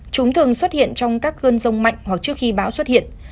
chúng thường xuất hiện trong các cơn rông mạnh hoặc trước khi bão xuất hiện